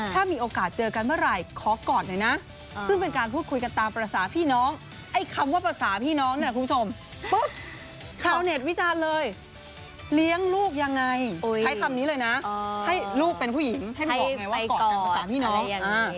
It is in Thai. ถ้ามีโอกาสเจอกันเมื่อไหร่ขอกอดหน่อยนะซึ่งเป็นการพูดคุยกันตามภาษาพี่น้องไอ้คำว่าภาษาพี่น้องเนี่ยคุณผู้ชมปุ๊บชาวเน็ตวิจารณ์เลยเลี้ยงลูกยังไงใช้คำนี้เลยนะให้ลูกเป็นผู้หญิงให้มาบอกไงว่ากอดกันภาษาพี่น้อง